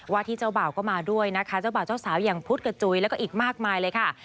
ที่เจ้าบ่าวก็มาด้วยนะคะเจ้าบ่าวเจ้าสาวอย่างพุทธกับจุ๋ยแล้วก็อีกมากมายเลยค่ะ